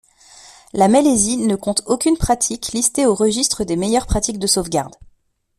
La Malaisie ne compte aucune pratique listée au registre des meilleures pratiques de sauvegarde.